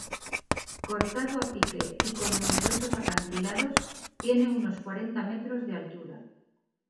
Cortado a pique y con numerosos acantilados, tiene unos cuarenta metros de altura.